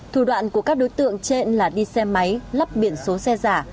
thủ đoạn của các đối tượng trên là đi xe máy lắp biển số xe giả